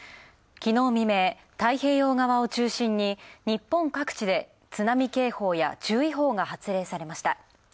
きのう未明、太平洋側を中心に日本各地で津波警報や注意報が発令されました。